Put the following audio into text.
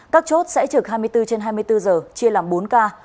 các chốt sẽ trực hai mươi bốn trên hai mươi bốn giờ chia làm bốn ca